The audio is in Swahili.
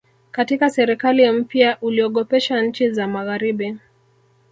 katika serikali mpya uliogopesha nchi za magharibi